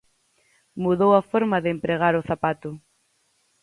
Mudou a forma de empregar o zapato.